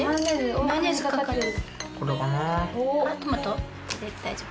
大丈夫